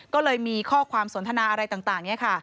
ก็เลยมีข้อความสนทนาอะไรต่างเนี่ยค่ะ